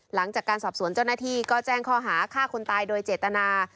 หลังจากการสอบสวนเจ้าหน้าที่ก็แจ้งข้อหาฆ่าคนตายโดยเจตนา